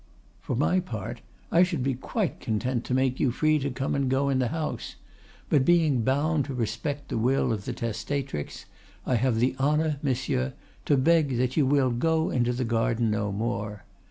For my part, I should be quite content to make you free to come and go in the house; but being bound to respect the will of the testatrix, I have the honor, monsieur, to beg that you will go into the garden no more.